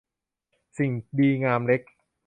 สิ่งดีงามเล็ก